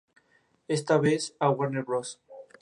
Esta vez a Warner Bros.